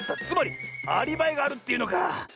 つまりアリバイがあるっていうのか。